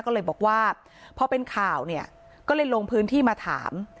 ก็เลยบอกว่าพอเป็นข่าวเนี่ยก็เลยลงพื้นที่มาถาม